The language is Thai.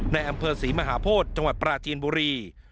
ในอำเภอศรีมหาโพธิจังหวัดปราจีนบุรี